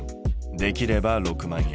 できれば６万円。